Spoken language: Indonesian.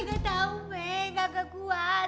gak ketau babe gak kekuat